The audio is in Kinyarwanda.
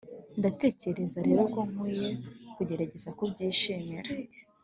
ndatekereza rero ko nkwiye kugerageza kubyishimira.